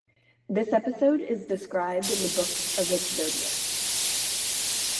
This episode is described in the Book of Exodus.